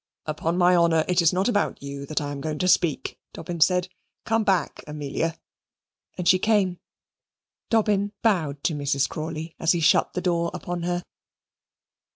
"Upon my honour it is not about you that I am going to speak," Dobbin said. "Come back, Amelia," and she came. Dobbin bowed to Mrs. Crawley, as he shut the door upon her.